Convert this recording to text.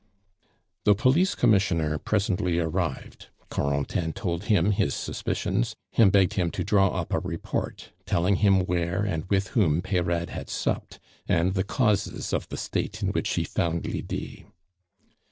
The Police Commissioner presently arrived; Corentin told him his suspicions, and begged him to draw up a report, telling him where and with whom Peyrade had supped, and the causes of the state in which he found Lydie.